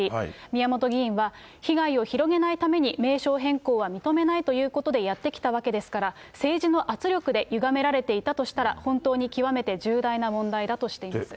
宮本議員は、被害を広げないために、名称変更は認めないということでやってきたわけですから、政治の圧力でゆがめられていたとしたら、本当に極めて重大な問題だとしています。